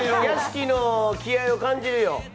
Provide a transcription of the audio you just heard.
屋敷の気合いを感じるよ。